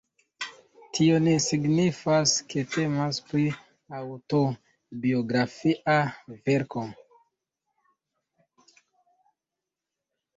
Tio ne signifas, ke temas pri aŭtobiografia verko.